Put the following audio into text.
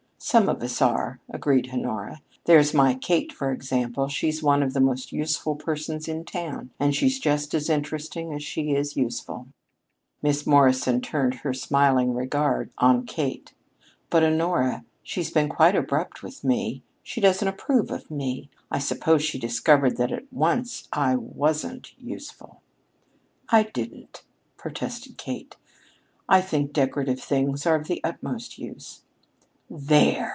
"Some of us are," agreed Honora. "There's my Kate, for example. She's one of the most useful persons in town, and she's just as interesting as she is useful." Miss Morrison turned her smiling regard on Kate. "But, Honora, she's been quite abrupt with me. She doesn't approve of me. I suppose she discovered at once that I wasn't useful." "I didn't," protested Kate. "I think decorative things are of the utmost use." "There!"